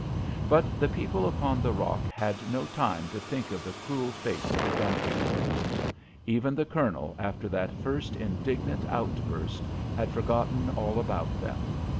But the people upon the rock had no time to think of the cruel fate of the donkey boys. Even the Colonel, after that first indignant outburst, had forgotten all about them.